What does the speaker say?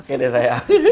oke deh sayang